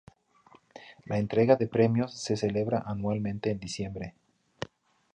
La entrega de premios se celebra anualmente en diciembre.